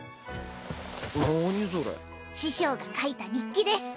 師匠が書いた日記です。